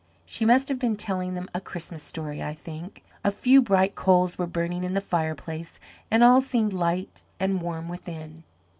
She must have been telling them a Christmas story, I think. A few bright coals were burning in the fireplace, and all seemed light and warm within.